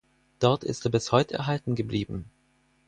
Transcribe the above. Dort ist er bis heute erhalten geblieben.